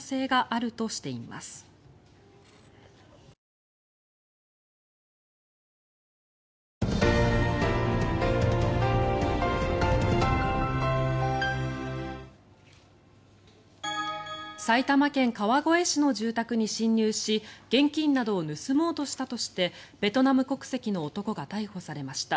ただ、値上げのペースは今後緩やかに減速するとみていて埼玉県川越市の住宅に侵入し現金などを盗もうとしたとしてベトナム国籍の男が逮捕されました。